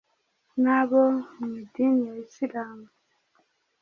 n’abo mu idini ya islam